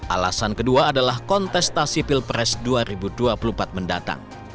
alasan kedua adalah kontestasi pilpres dua ribu dua puluh empat mendatang